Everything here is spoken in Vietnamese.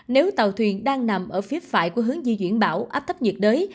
nếu tàu thuyền đang nằm ở phía phải của hướng di chuyển bão áp thấp nhiệt đới